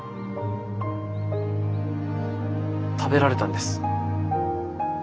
食べられたんです。